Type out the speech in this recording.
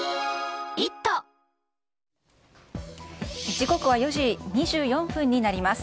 時刻は４時２４分になります。